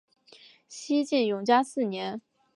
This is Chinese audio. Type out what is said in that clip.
西晋永嘉四年。